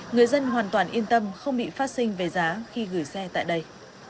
người dân hoàn toàn yên tâm không bị phát sinh về giá khi gửi xe tại đây